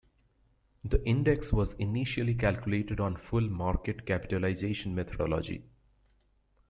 The index was initially calculated on full market capitalisation methodology.